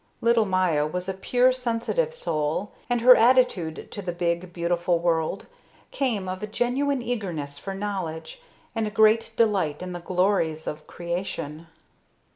Little Maya was a pure, sensitive soul, and her attitude to the big, beautiful world came of a genuine eagerness for knowledge and a great delight in the glories of creation.